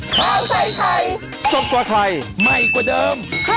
โปรดติดตามตอนต่อไป